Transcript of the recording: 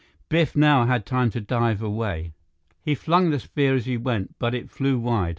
Biff now had time to dive away. He flung the spear as he went, but it flew wide.